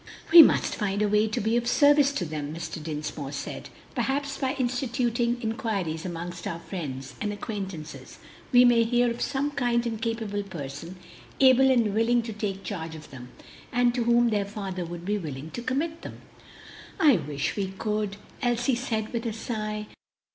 "We must find a way to be of service to them," Mr. Dinsmore said. "Perhaps by instituting inquiries among our friends and acquaintances we may hear of some kind and capable person able and willing to take charge of them, and to whom their father would be willing to commit them." "I wish we could!" Elsie said with a sigh.